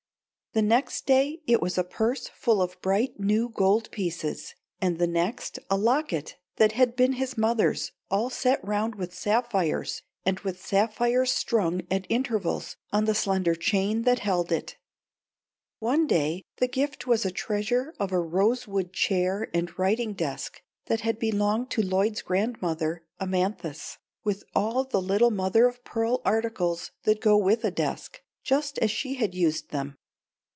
The next day it was a purse full of bright new gold pieces, and the next a locket that had been his mother's, all set round with sapphires, and with sapphires strung at intervals on the slender chain that held it. One day the gift was a treasure of a rosewood chair and writing desk that had belonged to Lloyd's grandmother Amanthis, with all the little mother of pearl articles that go with a desk, just as she had used them.